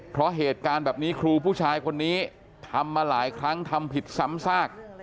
เพราะเหตุการณ์แบบนี้ครูผู้ชายคนนี้ทำมาหลายครั้งทำผิดซ้ำซาก